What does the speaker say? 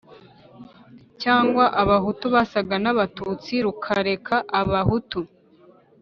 cyangwa abahutu basaga n'abatutsi rukareka abahutu